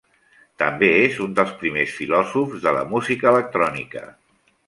També és un dels primers filòsofs de la música electrònica.